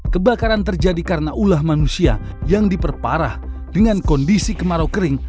kebakaran terjadi karena ulah manusia yang diperparah dengan kondisi kemarau kering